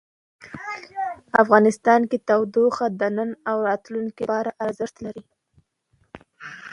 افغانستان کې تودوخه د نن او راتلونکي لپاره ارزښت لري.